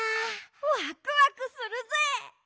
ワクワクするぜ！